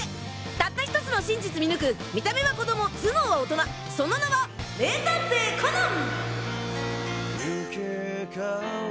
たった１つの真実見抜く見た目は子供頭脳は大人その名は名探偵コナン！